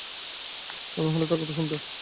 আমি হলে তার কথা শুনতাম।